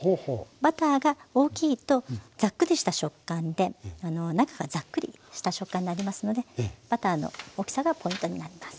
バターが大きいとザックリした食感で中がザックリした食感になりますのでバターの大きさがポイントになります。